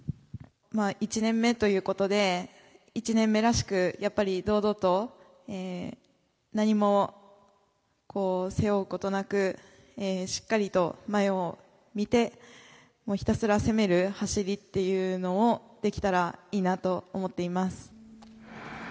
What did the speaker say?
１年目ということで１年目らしく堂々と何も背負うことなくしっかりと前を見て、ひたすら攻める走りをできたらいいなと思っています。